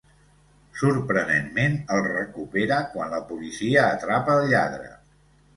Sorprenentment el recupera quan la policia atrapa el lladre.